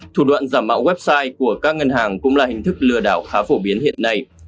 thủ đoạn giả mạo website của các ngân hàng cũng là hình thức lừa đảo khá phổ biến hiện nay